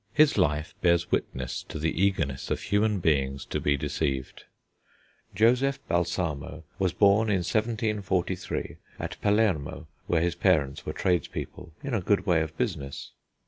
His life bears witness to the eagerness of human beings to be deceived. Joseph Balsamo was born in 1743 at Palermo, where his parents were tradespeople in a good way of business.